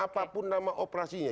apapun namanya operasinya